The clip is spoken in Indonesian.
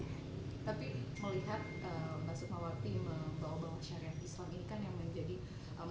tapi melihat mbak sukmawati membawa bawa syariat islam ini kan yang menjadi